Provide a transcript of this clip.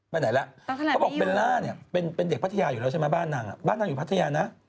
ไปไหนแล้วเขาบอกเบลล่าเนี่ยเป็นเด็กพัทยาอยู่แล้วใช่ไหมบ้านนางบ้านนางอยู่พัทยานะ